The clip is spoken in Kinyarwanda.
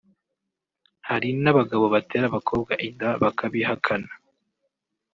hari n’abagabo batera abakobwa inda bakabihakana